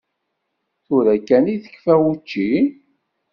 Tura kan i tekfam učči?